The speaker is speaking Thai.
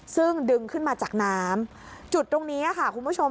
ซึ่งดึงขึ้นมาจากน้ำจุดตรงนี้ค่ะคุณผู้ชม